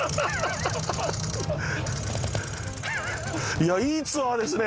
いやいいツアーですね